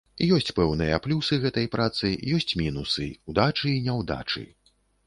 Ёсць пэўныя плюсы гэтай працы, ёсць мінусы, удачы і няўдачы.